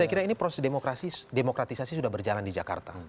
saya kira ini proses demokratisasi sudah berjalan di jakarta